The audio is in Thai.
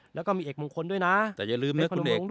แล้วก็มีเอกมุงคนนั้นด้วยนะ